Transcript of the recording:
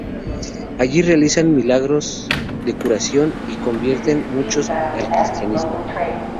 Allí realizan milagros de curación y convierten muchos al cristianismo.